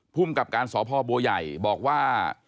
ภูมิกับการสพบัวใหญ่บอกว่า